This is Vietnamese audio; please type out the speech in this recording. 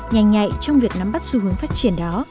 nhanh nhạy trong việc nắm bắt xu hướng phát triển đó